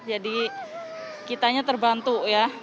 jadi kitanya terbantu ya